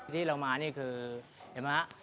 ที่เรามานี่คือเห็นไหมฮะ